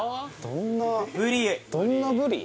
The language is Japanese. どんなブリ？